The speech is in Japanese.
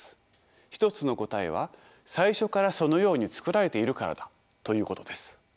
一つの答えは最初からそのように作られているからだということです。